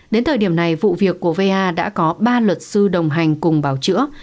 đến thời điểm này vụ việc của va đã có ba luật sư đồng hành cùng bào chữa